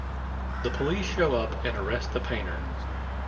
The police show up and arrest the painter.